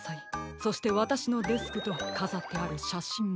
そしてわたしのデスクとかざってあるしゃしんも。